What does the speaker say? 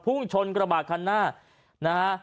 พุ่งชนกระบาดคันหน้านะฮะ